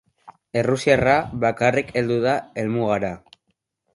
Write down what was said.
Errusiarra bakarik heldu da helmugara.